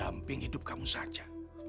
sampai mamping hidup kamu saja